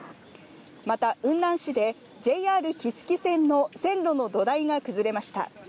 また雲南市でＪＲ木次線の線路の土台が崩れました。